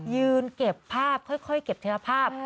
ยืนเก็บภาพค่อยเก็บทีละภาพ